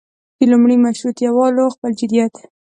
د لومړي مشروطیه والو خپل جديت.